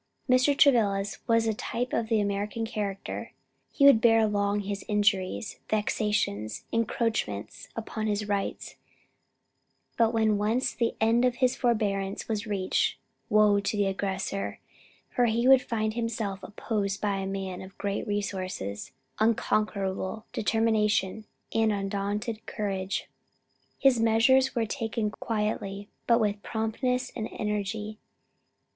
Mr. Travilla's was a type of the American character; he would bear long with his injuries, vexations, encroachments upon his rights, but when once the end of his forbearance was reached, woe to the aggressor; for he would find himself opposed by a man of great resources, unconquerable determination and undaunted courage. His measures were taken quietly, but with promptness and energy.